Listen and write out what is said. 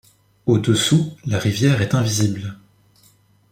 Au-dessous, la rivière est invisible.